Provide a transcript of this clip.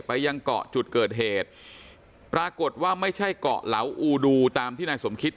ยังเกาะจุดเกิดเหตุปรากฏว่าไม่ใช่เกาะเหลาอูดูตามที่นายสมคิด